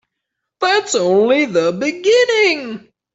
That's only the beginning.